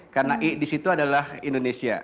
karena i di situ adalah indonesia